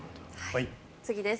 次です。